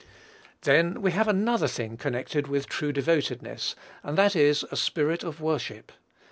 Then, we have another thing connected with true devotedness, and that is a spirit of worship.